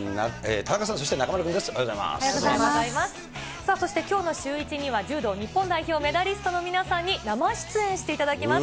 さあ、そしてきょうのシューイチには、柔道日本代表メダリストの皆さんに、生出演していただきます。